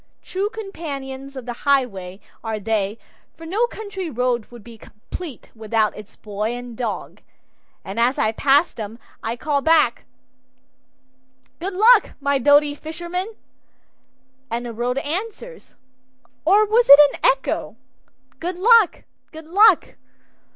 True companions of the highway are they, for no country road would be complete without its boy and dog, and as I pass them I call back, "Good luck, my doughty fisherman," and the road answers or was it an echo? "Good luck, good luck."